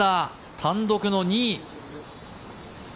単独の２位。